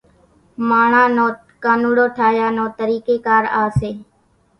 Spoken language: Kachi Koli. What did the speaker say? ماڻۿان نو ڪانوڙو ٺاھيا نو طريقي ڪار آ سي